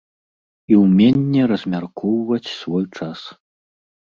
І ўменне размяркоўваць свой час.